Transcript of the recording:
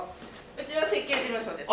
うちは設計事務所です。